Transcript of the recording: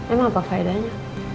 emang apa faedahnya